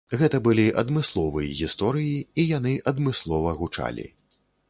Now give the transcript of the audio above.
Гэта былі адмысловы гісторыі і яны адмыслова гучалі.